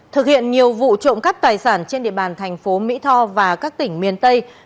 thực hiện nhiều vụ trộm cắp tài sản trên địa bàn thành phố mỹ tho và các tỉnh miền tây